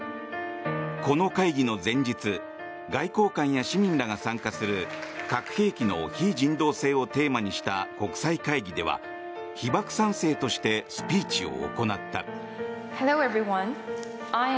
この会議の前日外交官や市民らが参加する核兵器の非人道性をテーマにした国際会議では被爆３世としてスピーチを行った。